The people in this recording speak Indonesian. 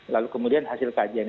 lalu kemudian hasil kajian